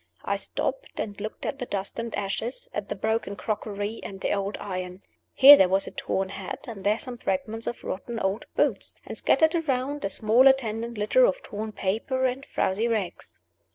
I stopped, and looked at the dust and ashes, at the broken crockery and the old iron. Here there was a torn hat, and there some fragments of rotten old boots, and scattered around a small attendant litter of torn paper and frowzy rags.